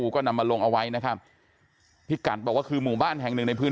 ก็นำมาลงเอาไว้นะครับพี่กัดบอกว่าคือหมู่บ้านแห่งหนึ่งในพื้น